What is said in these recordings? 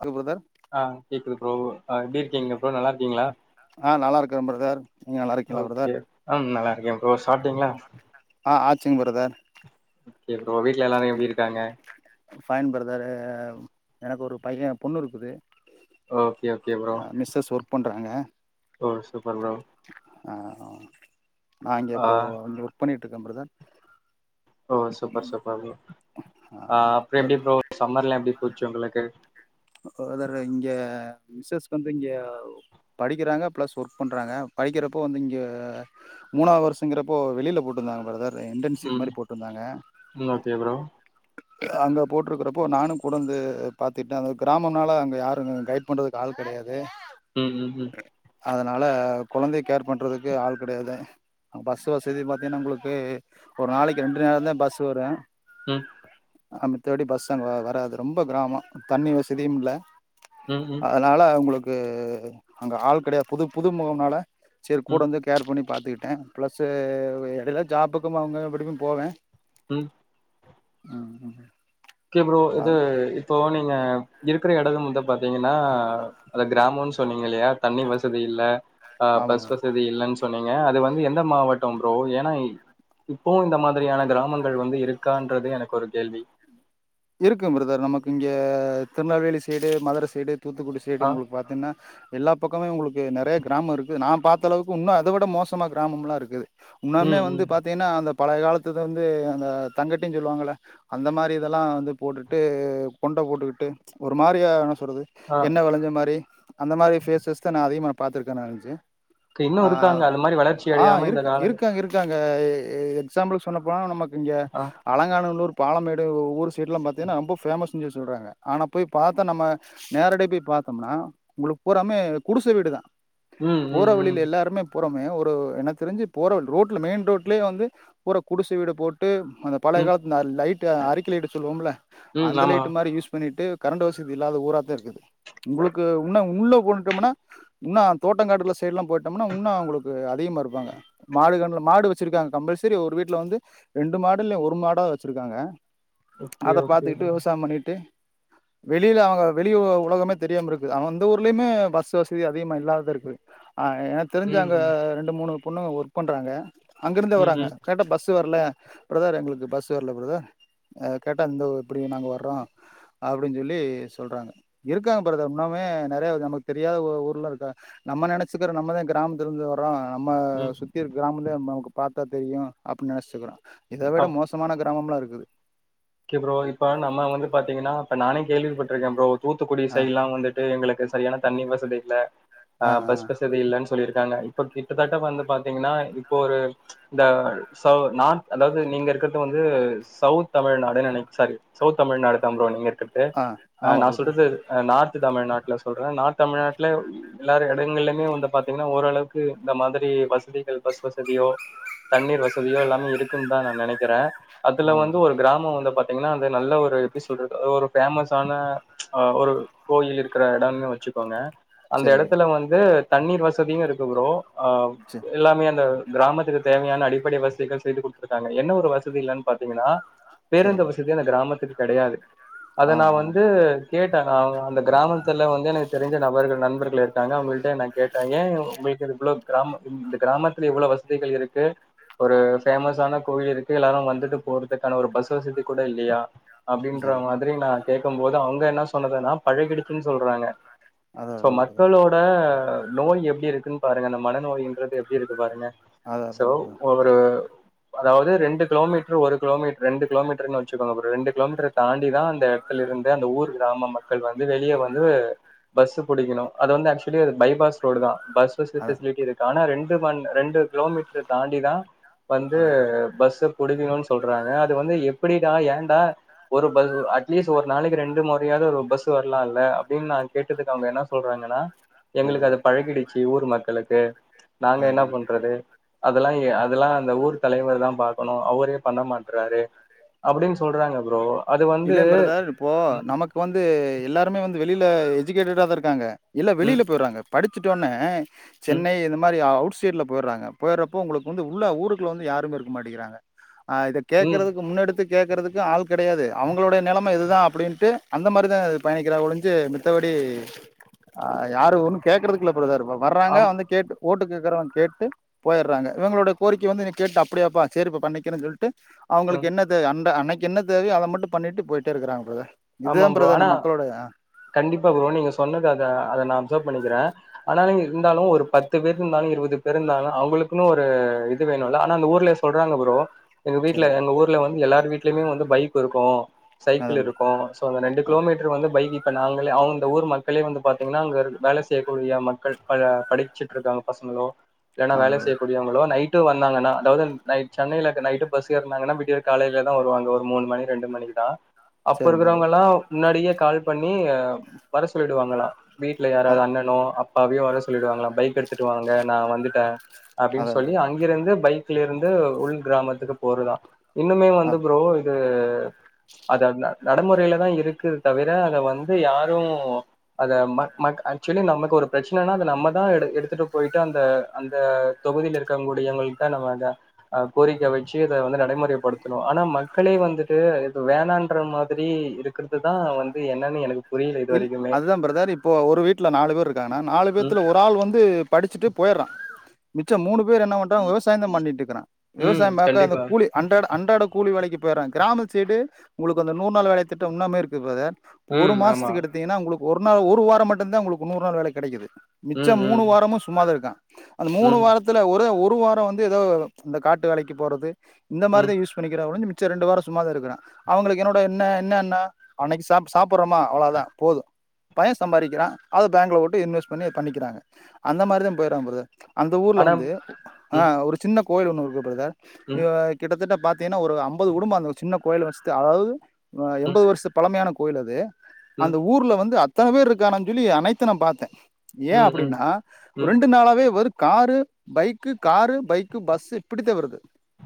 hello brother ஆ கேக்குது bro அ எடி கீங்க ப்ரோ நல்லார்க்கிங்ளா ஆ நல்லாருக்க ப்ரதர் ஓகே ஆ நல்லாருக்கே ப்ரோ சாப்ட்டீங்ளா ஆ ஆச்சிங் ப்ரதர் ஓகே ப்ரோ வீட்டல எல்லாரு எப்டி இருக்காங்க ஃபைன் பிரதரு எனக்கு ஒரு பைய பொண்ணு இருக்குது ஓகே ஓகே ப்ரோ றாங்க ஓ சு வர்லா ஆ நா இங்க இப்போ இங்க ஒர்க் பண்ணி ட்ருக்க பிரதர் ஓ சூப்பர் சூப்பர் ப்ரோ அ ஆ அப்புற எப்டி ப்ரோ சம்மர்லா எப்டி போச்சு உங்களுக்கு ப்ரதர் இங்க மிஸஸ் வந்து இங்க படிக்கிறாங்க பிளஸ் ஒர்க் பண்றாங்க படிக்கிறப்போ வந்து இங்க மூணா வருஷங்கிறப்போ வெளியில போட்ருந்தாங்க பிரதர் என்டன்ஷிப் ம் மாரி போட்ருந்தாங்க ம் ஓகே ப்ரோ அங்க போட்ருக்கறப்போ நானு கூடந்து பாத்துட்டே அத கிராமனால அங்க யாரு கைட் பண்றதுக்கு ஆள் கெடையா ம் ம் ம் அதனால கொழந்தைய கேர் பண்றதுக்கு ஆள் கெடையாது பஸ் வசதி பாத்தினா உங்களுக்கு ஒரு நாளைக்கு ரெண்டு நேரந்தே பஸ் வரு ம் அ மித்தவடி பஸ் அங்க வராது ரொம்ப கிராம தண்ணி வச தியுமில்ல ம் ம் அதனால உங்களுக் கு அங்க ஆள் கெடையா புது புது முகம்னால சேர் கூட ம் இருந்து கேர் பண்ணி பார்த்துக்கிட்டேன் பிளஸ் இடையில ஜாபக்கும் அவங்க வீட்டுக்கும் போவேன் ம் ஆ ம் ம் ஓகே புரோ இது இப்பவு நீங்க இருக்கிற இடம் வந்து பார்த்தீங்கன்னா அத கிராமம்ன்னு சொன்னீங்க இல்லையா தண்ணி வசதி இல்ல ஆ ஆமா பஸ் வசதி இல்லன்னு சொன்னீங்க அது வந்து எந்த மாவட்டம் ப்ரோ ஏன்னா இப்பவும் இந்த மாதிரியான கிராமங்கள் வந்து இருக்கான்றது எனக்கு ஒரு கேள்வி இருக்கு பிரதர் நமக்கு இங்க திருநெல்வேலி சைடு மதுரை சைடு தூத்துக்குடி ஆ ஸ்டேடியம் உங்களுக்கு பார்த்தீங்கன்னா எல்லா பக்கமே உங்களுக்கு நிறைய கிராமம் இருக்குது நான் பார்த்த அளவுக்கு இன்னும் அதை விட மோசமாக கிராமம்லாம் இருக்குது உன்னுாமே ம் ம் வந்து பாத்தீங்கன்னா அந்த பளைய காலத்துது வந்து அந்த தங்கட்டின்னு சொல்லுவாங்கள அந்த மாரி இதெல்லாம் வந்து [unintelligible] போட்டுட்டு கொண்ட போட்டுட்க்ட்டு ஒரு மாரியா சொல்றது ஆ என்ன வெளஞ்ச மாரி அந்த மாரி பேசஸ் தான் நா அதிகமா பாத்துர்க்கேன் நான் [unintelligible] ச்சு இன்னும் இருக்காங்க அந்த மாரி வளர்ச்சி அடையாம இந்த காலக் கட்ட க எக்ஸாம்புளுக்கு சொன்னப்போனா நமக்கு இங்கே ஆ அலங்கானல்லூர் பாலம் மேடு ஊரு வீடு லாம் பாத்திகனா ரொம்ப ஃபேமஷ்ணு சொல்றாங்க ஆனா போய் பாத்த நம்ம நேரடிய் போய் பாத்தோம்னா உங்குளுக்கு பூறாமே குடிச வீடு தான் ம் போற ம் ம் வலியில எல்லாருமே புறமே ஒரு என்ன தெரிஞ்சு போற ரோட்ல மெயின் ரோட்லே வந்து பூற குடிசு வீடு போட்டு அந்த பலைய ம் காலத்து [unintelligible] லைட் [unintelligible] அறிக்கிலைடு சொல்வோம்ல ம் அந்த ஆமா லைட்டு மாரி யூஸ் பண்ணிட்டு கரண்ட் வசதி இல்லாத ஊராத்த இருக்குது உங்ளுக்கு உன்னும் உள்ள போண்ட்டோம்னா இன்னாம் தோட்டங்காட்டுல சைல்லாம் போயிட்டோம்னா இன்னாம் அவுங்களுக்கு அதிமா இருப்பாங்க மாடு கண்ணுல மாடு வச்சிருக்காங்க கம்பல்சரி ஒரு வீட்டுல வந்து ரெண்டு மாடு இல்ல ஒரு மாடா வச்சிருக்காங்க ஓகே அத ஓகே பாத்துக்கிட்டு ப்ரோ விவசாயம் பண்ணிட்டு வெளியில அவங்க வெளி உலகமே தெரியாம இருக்கு அவங்க அந்த ஊர்லயுமே பஸ் வசதி அதிமா இல்லாதா இருக்கு ஆ எனக் தெரிஞ்சி ம் அங்க ம் ரெண்டு மூணு பொண்ணுங ஒர்க் பண்றாங்க அங்கிருந்தே ம் வராங்க ம் கரெக்டா பஸ் பஸ் வரல பிரதர் எங்ளுக்கு பஸ் வரல பிரதர் அ கேட்டா இந்த இப்டி நாங்க வர்றோம் அப்டின்னு சொல்லி சொல்றாங்க இருக்காங்க பிரதர் இன்னுமே நெறைய நமக்கு தெரியாத ஊர் ஊர்ல இருக்கா நம்ம நெனச்சிக்ககுற நம்மதான் கிராம்த்துல இருந்து வர்றோம் நம்ம ம் சுத்தில் கிராமம் [unintelligible] நமக்கு பாத்தா தெரியும் அப்ன்னு நெனச்சுக்றோம் இத விட மோசமான கண் கிராமம் லா இருக்குது ஓகே ப்ரோ இப்ப இருக்கேன் ப்ரோ தூத்துக்குடி ஆ சைட் லாம் வந்துட்டு எங்ளுக்கு இங்க சரியான தண்ணி வசதி இல்ல ஆ ஆஹ் பஸ் பசதி இல்லன்னு சொல்லிட்டு இதாங்க இப்ப கிட்டத்தட்ட வந்து பாத்தீங்ன்னா இப்போ ஒரு இந்த சௌ நார்த் அதாவது நீங்க இருக்கறது வந்து சௌத்தா [unintelligible] நினை சாரி சௌத் தமிழ்நாடு தான் புரோ நீங்க இருக்கறது ஆ நான் சொல்றது நார்த் தமிழ்நாட்ல சொல்றேன் நார்த் தமிழ்நாட்ல எல்லாரும் இடம் ரெண்டுலேயுமே வந்து பாத்தீங்ன்னா ஓரளவுக்கு இந்த மாதிரி வசதிகள் பஸ் வசதியோ தண்ணீர் வசதியோ எல்லாமே இருக்குன்னு தா நா நினைக்கிறே அதுல ஆமா வந்து ஒரு பிரதர் கிராமம் வந்து பாத்திங்கன்னா நல்ல ஒரு எப்படி சொல்றது ஒரு ஃபேமஸான ஹா ஒரு கோயில் இருக்கிற இடம்னு வச்சுக்கோங்க அந்த சரி எடத்துல பிரதர் வந்து தண்ணீர் வசதியு இருக் கு ப்ரோ ஆ சரி எல்லாமே அந்த கிராமத்துக்கு தேவையான அடிப்படை வசதிகள் செய்து குடுத்துருக்காங்க என்ன ஒரு வசதி இல்லன்னு பாத்திங்கனா சரி பேருந்து பிரதர் வசதி அந்த கிராமத்துக்கு கெடயாது அத நா ஆமா வந்து ஆமா கேட்ட ஆ அந்த கிராமத்துல வந்து எனக்கு தெரிஞ்ச நபர்கள் நண்பர்கள் இருக்காங்க அவங்கள்ட்ட நா கேட்ட ஏ உங்களுக் இவ்ளோ கிராமத்துலிருந்து கிராமத்துல இவ்வள வசதிகள் இருக்கு ஒரு ஃபேமஸான கோவில் இருக்கு எல்லாரு வந்துட்டு போறதுக்கான ஒரு பஸ் கூட இல்லையா அப்டின்ற சரி மாதிரி நா கேக்கம் போது அவங்க என்ன சொன்னதுன்னா பழகிடுச்சுன் சொல்றாங்க அதா சோ அதா பிரதர் மக்களோட நோய் எப்டி இருக்குன் பாருங்க அந்த மனநோயின்றது எப்டி இருக்கு பாருங்க அதா சோ அதா பிரதர் ஒரு அதாவுது ரெண்டு கிலோமீட்ரு ஒரு கிலோமீட்ரு கிலோமீட்டர்ன்னு வெச்சுக்கோங்க ஒரு ரெண்டு கிலோமீட்டர தாண்டிதா அந்த எடத்துல இருந்து அந்த ஊர் கிராம மக்கள் வந்து வெளிய வந்து பஸ்ஸு புடிக்கணு அது வந்து ஆக்சுலி அது பைபாஸ் ரோடுதா பஸ் அதா ஃபெஸிலிட்டி இருக்கு ஆனா ரெண்டு மண் ரெண்டு கிலோமீட்டர் தாண்டிதா வந்து அதா பஸ்ஸு புடிக்கணுன் சொல்றாங்க வந்து எப்புடிடா ஏண்டா ஒரு ப அட்லீஸ்ட் ஒரு நாளைக்கு ரெண்டு முறையாது ஒரு பஸ் வரலால்ல அப்புடின் நா கேட்டதுக்கு அவங்க என்ன சொல்றாங்கனா அதா எங்ளுக்கு அது பழகிடுச்சு ஊர் மக்களுக்கு நாங்க அதா என்னனா பண்றது அதல்லா ஏ அதல்லா அந்த ஊர் தலைவர் தா பாக்கணு அவரே பண்ண மாட் ட்ரரு அப்புடின் சொல்றாங்க ப்ரோ அது வந்து இல்லே ப்ரதர் இப்போ ம் நமக்கு வந்து எல்லாருமே வந் வெளில எஜிகேட்டடா இந்துருக்காங்க இல்ல ம் வெளில பொய்றாங்க படித் சுட்டோனே ம் சென்னை இந்த மாரி அவுட் ஸ்டேட்ல போயுறாங்க போயுறப்போ உங்களுக்கு வந்து உள்ள ஊருக்குள்ள வந்து யாருமே இருக்க மாட்டிங்கிறாங்க ஆ இத ம் கேக்குறதுக்கு முன்னெடுத்து கேக்கறதுக்கு ஆள் கடையாது அவங்களுடைய நிலமை இதுதா அப்புடின்ட்டு அந்த மாரி தா இது பயணிக்கிறா ஒழிஞ்சு மித்தபடி யாரு ஒன்னு கேட்கறதுக்கிள்ள பிரதர் வர்றாங்க ஆம் வந்து கேட்டு ஓட்டு கேட்கறவ கேட்டு போயர்றாங்க இவங்களோட கோரிக்கை வந்து நீ கேட்டு அப்படியாப்பா சேரிப்பா பண்ணிக்கறன் சொல்ட்டு அவங்களுக்கு ம் என்னது அண்ட அனைத் என்ன தேவையோ அத மட்டும் பண்ணிட்டு போயிட்டே இருக்குறாங்க பிரதர் ஆமா இதுதான் ப்ரோ பிரதர் ஆனா இந்த மக்களோட கண்டிப்பா ப்ரோ நீங்க சொன்னது அத அத நா அப்ஸர்வ் பண்ணிக்கிறே ஆனாலு இருந்தாலு ஒரு பத்து பேர் இருந்தாலு இருபது பேர் இருந்தாலு அவங்களுக்குன்னு ஒரு இது வேணுல்ல ஆனா அந்த ஊர்லே சொல்றாங்க ப்ரோ எங்க வீட்டுல சரி எங்க ஊருல வந்து எல்லாரு வீட் லுயுமே வந்து பைக் இருக்கு சைக்கிள் அதான் இருக் பிரதர் கு அந்த ரெண்டு ஆ கிலோமீட்டர் வந்து பைக் இப்ப நாங்களே அவங்க அந்த ஊர் மக்களே வந்து பாத்தீங்கன்னா அங்க இரு வேல செய்யக்கூடிய மக்கள் ப அஹ் படிச்சிட்டு இருக்க பசங்களோ இல்லன்னா ஆமா வேலை பிரதர் செய்யக்கூடியவங்களோ நைட் நைட்டு வந்தாங்கன்னா அதாவது நைட் சென்னையில நேத்து நைட்டு பஸ் ஏற்னாங்கனா விடிய காலையில தா வருவாங்க ஒரு மூணு மணி ரெண்டு மணிக்கு தா அப்போ சரி பிரதர் இருக்கிறவங்கல்லா முன்னாடியே கால் பண்ணி அஹ் வர சொல்லிடுவாங்களாம் வீட்ல அத யாராவது அண்ணனோ அப்பாவயோ வரச் சொல்லிடுவாங்கலாம் பைக் எடுத்துட்டு வாங்க நா வந்துட்டே அப்படின்னு அதான் சொல்லி பிரதர் அங்கிருந்து பைக் த்திலிருந்து உள் கிராமத்துக்கு போறதா இன்னுமே ஆ வந்து ப்ரோ இது அது அது லா நடமொறையில தா இருக்குது தவிர அத வந்து யாரு அத மக் மக் ஆக்சுவலி நமக்கு ஒரு பிரச்சனைன்னா அத நம்ம தா எ எடுத்துட்டு போயிட்டு அந்த அந்த தொகுதில இருக்கறவங்கூடியவங்கள்ட்ட நம்ம அத அஹ் கோரிக்கை வச்சு இத வந்து நடைமுறைப்படுத்தணு ஆனா மக்களே வந்துட்டு இது வேணான்ற மா திரி இருக்கிறதுதா வந்து என்னன்னு எனக்கு புரியல இது இல் வரைக்குமே அதுதா பிரதர் இப்போ ஒரு வீட்டுல நாலு பேர் இருக்காங்கன்னா நாலு ம் பேத்துல ஒரு ஆள் வந்து படிச்சுட்டு போயிடறா மிச்சம் மூணு பேர் என்ன பண்றா விவசாயந் தா பண்ணிட்டுருக்கிறா ம் விவசாயம் பாக்க அந்த கண்டிப்பா கூலி அன்றாட அன்றாட கூலி வேலைக்கு போயர்றா கிராமத்து சைடு உங்களுக்கு அந்த நூறு நாள் வேலை திட்டம் இன்னாமே இருக்கு பிரதர் உம் ஆமா ன்னா உங்களுக்கு ஒரு நாள் ஒரு வார மட்டுந்தே உங்களுக்கு நூறு நாள் வேலை கெடைக்குது மிச்ச ம் மூணு ம் வாரமு சும்மாதா இருக்கா அந்த மூணு ம் வாரத்துல ஒரே ஒ ரு வார வந்து எதோ இந்த காட்டு வேலைக்கு போறது இந்த ம் மாரிதா யூஸ் பண்ணிக்கிறா ஒளிஞ்சு மி ச்ச ரெண்டு வாரோ சும்மா தா இருக்குற அவுங்களுக்கென்னோட என்ன என்ன என்னா அன்னைக்கு சாப் சாப்புர்றமா அவ்ளோ தா அ போது பயைன் சம்பாரிக்கிறா அது பேங்க்ல போட்டு இன்வெஸ்ட் பண்ணி பண்ணிக்கிறாங்க அந்த மாரி தா போயிட்ரா பிரதர் அந்த ஊர்ல ஆனா வந்து ஆ ம் ஒரு சின்னப் கோயில் ஒன்னு இருக்கு பிரதர் ம் இவ கிட்டத்தட்ட பாத் த்தீங்கன்னா ஒரு அம்பது குடும்போ அந்த சின்ன கோயில ஒஸ்தி அதாவது அ ம் எண்பது வருஷ்த்து பழமையானக் கோயிலது ம் அந்த ஊர்ல வந்து அத் த்தன பேருக்கானாச் சொல்லி அனைத்து நா பாத்தே ஏன் ம் ம் அப்புடின்னா ம் ஒ ம் ரெண்டு நாளாவே வெருத் car bike car bike bus இப்புடிதா வருது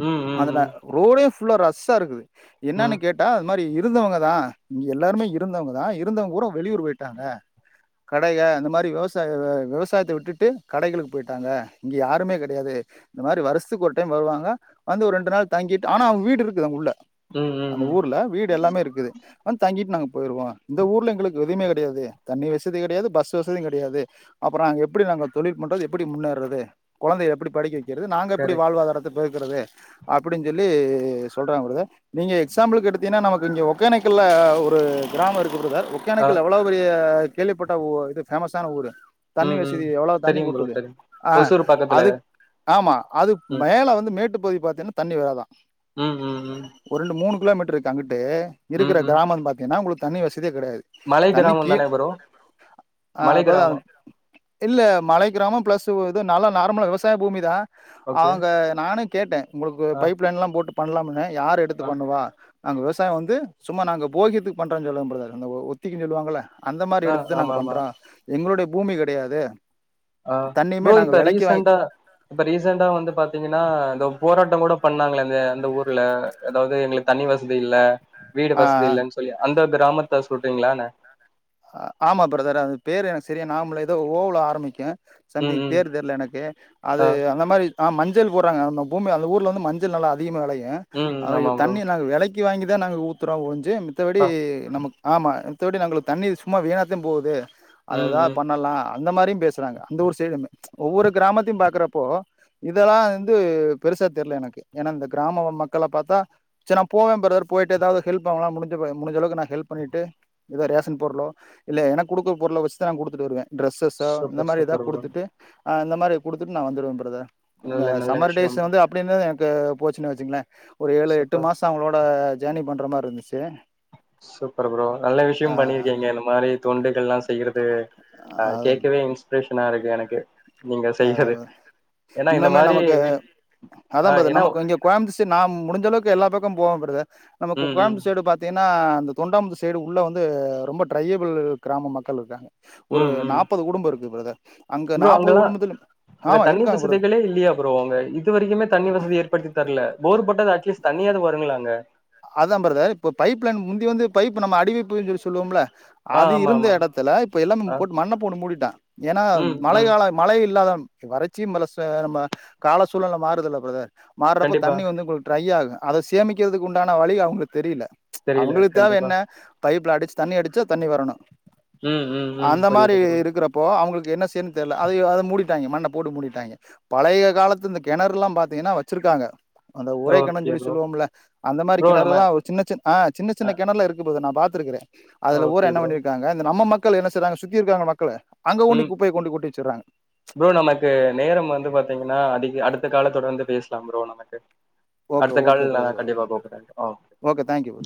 ம் அதுல ரோடே ஃப் ஃபுல்லா ரஸ்ஸா இருக்குது என்னான்னு ம் கேட்டா இது மாரி இ இருந்தவங்க தா இங்க எல்லாருமே இருந்தவங்க தா இருந்தவங்க பூரா வெளியூரு போயிட்டாங்க கடைக இந்த மாரி விவசாய வ விவசாயத்த விட்டுட்டு கடைகளுக்கு போயிட்டாங்க இங்க யாருமே கடையாது இந்த மாரி வருஷத்துக்கொரு டைம் வருவாங்க வந்து ஒரு ரெண்டு நாள் தங்கிட்டு ஆனா அவுங்க வீடு இருக்குது அங்குள்ள ம் ம் அந்த ம் ஊர்ல வீடு எல்லாமே இருக்குது வந்து தங்கிட்டு நாங்க போயிருவோ இந்த ஊர்ல எங்களுக்கு எதுமே கெடையாது தண்ணி வசதி கடையாது பஸ் வசதியுங் கடையாது அப்றோ நாங்க எப்டி நாங்க தொழில் பண்றது எப்டி முன்னேற்றது கொழந்தைய எப்டி படிக்க வெக் கிறது நாங்க எப்பிடி கரெக்ட் வாழ்வாதாரத்த உயத்துறது அப்படின்னு சொல்லி சொல்றாங்க பிரதர் நீங்க எக்ஸாம்பிள்க்கு எடுத்தீங்னா நமக்கிங்க ஒகேனக்கல்ல ஒரு கிராமோ இருக் கு பிரதர் ஆ ஒகோனக்கல் எவ்வளோ பெரிய கேள்விப்பட்டா உ இது ஃபேமஸான ஊரு தண்ணி ம் ம் வசதி எவ்வளோ தண்ணி தெரியும் ப்ரோ கொட்டுது தெரியும் அ ஒசூர் பக்கத்துல அதுக் ஆமா அது ம் மேல வந்து மேட்டு போய் பாத்தீங்னா தண்ணி வராதா ம் ம் ம் கிலோமீட்டருக்கு அங்குட் டு ம் இருக்கற ம் கிராமம் பாத்தீங்ன்னா உங்களுக் தண்ணி வெச் கடையாது மலை தண்ணி கிராமம் கீ தானே ப்ரோ ஆ மலை அப்பதா கிராமம் இல்ல மலை கிராமோ பிளஸு உ இது நல்லா நார்மலா விவசாய பூமி தா ஓகே அவுங்க நானுக் கேட்டே உங்களுக்கு ஆ பைப் லைன்லா போட்டு பண்லாம்னு யார் எடுத்து ஆ பண்ணுவா நாங்க விவசாயொ வந்து சும்மா நாங்க போகியத்துக்கு பண்றோனு சொல்ற ப்ரதர் அந்த ஒத்திக்கினு சொல்லுவாங்கள்ல அந்த மாரி ஆ எடுத்து தா நாங்க ஆமா பண்றோ எங்களுடைய பூமி கெடையாதே அ ப்ரோ இப்ப ரீசண்டா இப்ப ரீசண்டா வந்து பாத்தீங்கன்னா எதோ போராட்டங் கூட பண்ணாங்களே அந்த அந்த ஊர்ல அதாவ்து எங்களுக் தண்ணி வச தி இல்ல வீடு ஆ வசதி இல்லன் சொல்லி அந்த கிராமத்த சொல்றீங்களான்ன அ ஆமா ப்ரதர் அதுக் பேரு எனக்கு செரியா நாவம்மில்ல ஏதோ ஓவுல ஆரமிக்கு ம் சம்திங் ம் பேர் தெர்ல எனக்கு அது ஆ அந்த மாரி ஆ மஞ்சள் போட்றாங்க அந்த பூமி அந்த ஊர்ல வந்து மஞ்சள் நல்லா அ திகமா வெளையு ம் ஆமா அவிக ப்ரோ தண்ணிய நாங் வெலைக் க்கி வாங்கி தா நாங்க ஊத்துறோ ஒன் [unintelligible] மித்தப்படி ஆ நமக் ஆமா மித்தப்படி நாங்களுக் தண்ணீர் சும்மா வீணாத்தே போவுது அத ம் எதா ம் பண்ணலா அந்த மாரியும் பேசுறாங்க அந்த ஊரு சைடுமே ஒவ்வொரு கிராமத்தையும் பாக்குறப்போ இதெல்லா வந்து பெருசா தெர்ல எனக்கு ஏன்னா இந்த கிராமொ மக்கள பாத்தா சேர் நா போவே ப்ரதர் போயிட்டு எதாது ஹெல்ப்பு பண்ணலா முடிஞ்ச ப முடிஞ்ச அளவுக்கு நா ஹெல்ப் பண்ணிட்டு எதா ரேஷன் பொருளோ இல்ல எனக்கு குடுக்க பொருள வச்சுதா நா குடுத்துட்ருக்க ட்ரெஸ்ஸஸ்ஸா இந்த சூப்பர் மாரி எதா சூப்பர் ப்ரோ குடுத்துட்டு ஆ இந்த மாரி குடுத்துட்டு நா வந்துருவ ப்ரதர் அந்த நல்ல நல்ல சம்மர் டேஸ விஷயம் வந்து அப்டி இருந்தாதா எனக் கு போச்சுன் வச்சுங்களே ஒரு ஏழு எட்டு சூப்பர் மாசொ அவுங்களோட ஜேனி பண்ற மாரி இருந்துச்சி சூப்பர் ப்ரோ நல்ல விஷயம் பண்ணிருக்கீங்க நம் ந்த மாரி தொண்டுகள்லாம் செய்யறது வந்து ஆஹ் கேட்கவே இன்ஸ்பிரேஷன் ன்ன கிடைக்குது எனக்கு நீங்க அத செய்யறது ஏன்னா இந்த இன்னுமே மாரி நமக்கு விஷ் ஆ அதான் பதர் ஏன்னா நமக்கு இங்க குயம்புத் ஸ்சைட் நான் முடிஞ்சளவுக்கு எல்லா பக்கம் போவ நம்ம ம் ம் கோயம்புத் சைடு பாத்தீங்கனா ன்னா அந்த தொண்டாமுதுர் சைடு உள்ள வந்து ரொம்ப ட்ரையபிள் க்ராம மக்கள் இருக்காங்க ஒரு ம் ம் நாப்பது குடும்ப இருக்கு பிரதர் அங்க ப்ரோ நாப்பது அங்கெல்லா குடும்ப அங்க தண்ணி வசதிகளே இல்லியா ப்ரோ அங்க இது வரிக்குமே தண்ணி வசதி ஏற்படுத்தி தரல போர் உர் பொட்டது அட்லீஸ் தண்ணியாது வருங்களாங்க அதான் ப்ரதர் இப்ப பைப் லைன் முந்தி வந்து பைப் நம்ம அடி பைப்ன்னு சொல்லி சொல்லுவோம்ல ஆ அது ஆமா இருந்த ஆமா இடத்துல இப்ப ஆ எல்லாமும் போட் மண்ண போட்டு மூடிட்டாங்க ஏன்னா ம் மழை ம் கால மழை இல்லாத வறட்சி மலச நம்ம கால சூழ்நல மாறுதல்ல ப்ரதர் மார்றப்பே கண்டிப்பா தண்ணி வந்து உங்களுக் ட்ரை ஆகு அத சேமிக்கிறதுக் கொண் கான வழி அவங்ளுக் தெரில தெரியல அவங்களுக் தேவ கண்டிப்பா என்ன பை ப்ல அடிச்சு தண்ணி அடிச்சா தண்ணி வரணு ம் ம் ம் அந்த மாரி புரியுது ப்ரோ இருக்றப்போ அவங்ளுக் என்ன செய்ன்னு தெர்ல அத மூடிட்டாய்ங்க மண்ண போட் மூடிட்டாய்ங்க பழைய காலத்து இந் கெணறுல்லாம் பாத்திங்கனா வச்சிருக்காங்க அந்த ஒரைகண ஓகே ஜொல்லி ப்ரோ சொல்லுவோம்ல அந்த மாரி ப்ரோ நம்ம கெணறுல்லா ஒரு சின்ன சின் ஹ சின்ன சின்ன அ கெணற்ல இருக்கு ப்ரதர் நான் பாத் திருகுறே அதுல ஊர் ஓகே என்ன ப்ரோ பண்ணிட்டாங்க இந்த நம்ம மக் கள் என்ன செய்றாங்க சுத்தி இருக்காங்க மக்களு அங்க கொண்டி ம் குப்பைய கொண்டு கொட்டி வச்சர்றாங்க ப்ரோ நமக்கு நேரம் வந்து பாத்தீங்கன்னா அதிக் அடுத்த காலத் தொடர்ந்து பேசலாம் ப்ரோ நம்ம செரி ஓகே அடுத்த ஓகே கால்ல நான் பிரதர் கண்டிப்பா கூபிடுறேன் ஓகே தேங்க்யூ